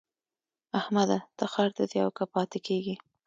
احمده! ته ښار ته ځې او که پاته کېږې؟